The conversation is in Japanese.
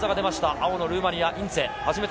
青のルーマニア、インツェ。